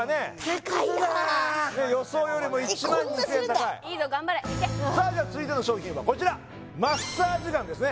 高いな結構するな予想よりも１２０００円高いえっこんなするんださあじゃあ続いての商品はこちらマッサージガンですね